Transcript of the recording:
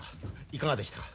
いかがでしたか？